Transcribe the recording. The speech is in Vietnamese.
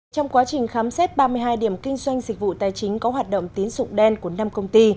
trong quá trình khám xét ba mươi hai điểm kinh doanh dịch vụ tài chính có hoạt động tín dụng đen của năm công ty